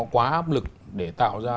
quá áp lực để tạo ra